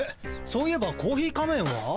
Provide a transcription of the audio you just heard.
そういえばコーヒー仮面は？